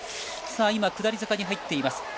下り坂に入っています。